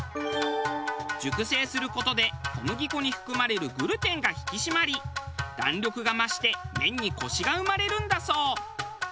熟成する事で小麦粉に含まれるグルテンが引き締まり弾力が増して麺にコシが生まれるんだそう。